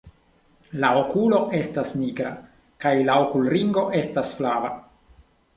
La okulo estas nigra kaj la okulringo estas flava.